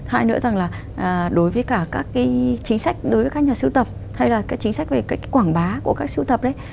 hai nữa rằng là đối với cả các cái chính sách đối với các nhà sưu tập hay là các chính sách về quảng bá của các sưu tập đấy